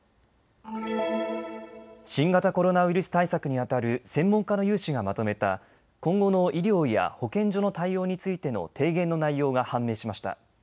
新型コロナウイルス対策にあたる専門家の有志がまとめた今後の医療や保健所の対応についての提言の内容が判明しました。